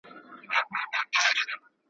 چي په خره پسي د اوښ کتار روان سي .